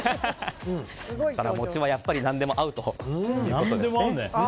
餅は何でも合うということですね。